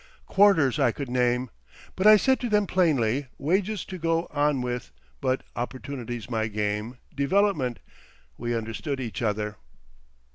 Quarters I could name. But I said to them plainly, wages to go on with, but opportunity's my game—development. We understood each other."